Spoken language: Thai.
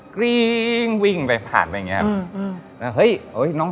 กริ้ง